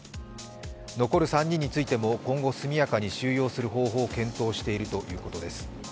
残る３人についても今後、速やかに収容する方法を検討しているということです。